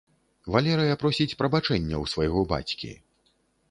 Валерыя просіць прабачэння ў свайго бацькі.